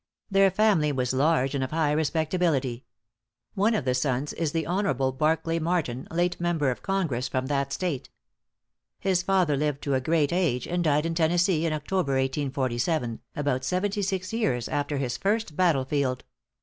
Their family was large and of high respectability. One of the sons is the Hon. Barkly Martin, late member of Congress from that State. His father lived to a great age, and died in Tennessee in October, 1847, about seventy six years after his first battle field.